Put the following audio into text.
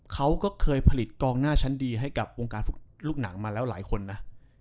เขาก็เคยผลิตกองหน้าชั้นดีให้กับวงการลูกหนังมาแล้วหลายคนนะ